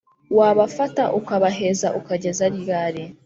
Wabafata ukabaheza ukageza ryari